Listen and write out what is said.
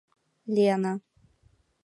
ЛЕНА